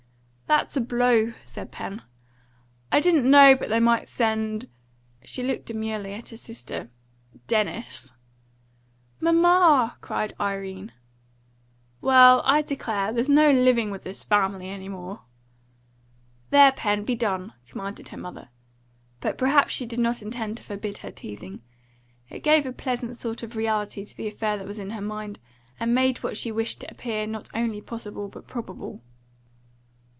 "That's a blow," said Pen. "I didn't know but they might send " she looked demurely at her sister "Dennis!" "Mamma!" cried Irene. "Well, I declare, there's no living with this family any more," said Penelope. "There, Pen, be done!" commanded her mother. But perhaps she did not intend to forbid her teasing. It gave a pleasant sort of reality to the affair that was in her mind, and made what she wished appear not only possible but probable.